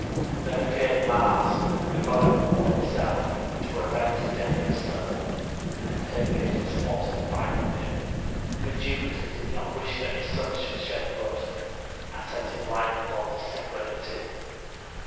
Then appeared Mars, the god of war, himself, to avenge the death of his son; and Hercules was forced to fight with him. But Jupiter did not wish that his sons should shed blood, and sent his lightning bolt to separate the two.